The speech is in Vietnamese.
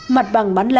mặt bằng bán lẻ